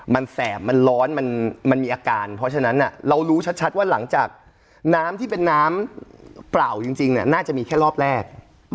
มันแสบมันร้อนมันมีอาการเพราะฉะนั้นเรารู้ชัดว่าหลังจากน้ำที่เป็นน้ำเปล่าจริงน่าจะมีแค่รอบแรก